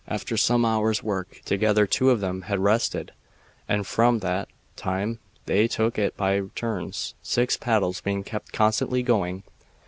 After some hours' work together two of them had rested, and from that time they took it by turns, six paddles being kept constantly going.